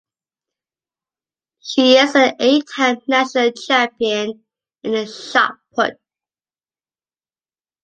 She is an eight time national champion in the Shot Put.